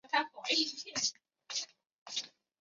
波托米阶末期灭绝事件末期的灭绝事件。